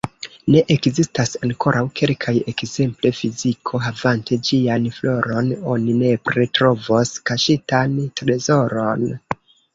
Ne, ekzistas ankoraŭ kelkaj, ekzemple, filiko: havante ĝian floron, oni nepre trovos kaŝitan trezoron.